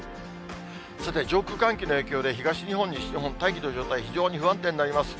さて、上空、寒気の影響で東日本、西日本、大気の状態、非常に不安定になります。